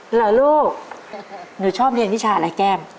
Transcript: เหรอลูกหนูชอบเพลงที่ชาติอะไรแก้ม